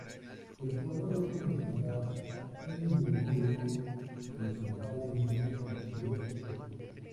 El jugador debe encontrar un grimorio en los locales de una misteriosa secta.